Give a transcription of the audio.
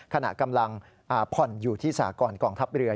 ขณะกำลังผ่อนอยู่ที่สากรกองทัพเรือ